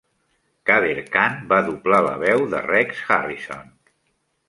Kader Khan va doblar la veu de Rex Harrison.